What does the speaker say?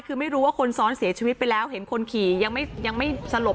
คือไม่รู้ว่าคนซ้อนเสียชีวิตไปแล้วเห็นคนขี่ยังไม่ยังไม่สลบ